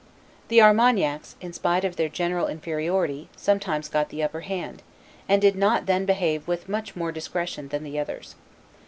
The Armagnacs, in spite of their general inferiority, sometimes got the upper hand, and did not then behave with much more discretion than the others.